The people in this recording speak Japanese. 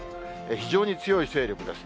非常に強い勢力です。